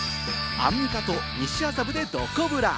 アンミカと西麻布で、どこブラ。